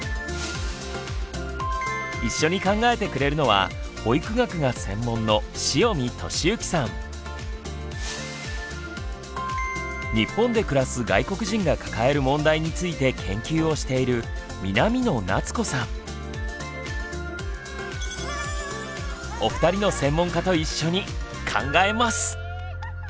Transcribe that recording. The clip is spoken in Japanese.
一緒に考えてくれるのは保育学が専門の日本で暮らす外国人が抱える問題について研究をしているお二人の専門家と一緒に考えます。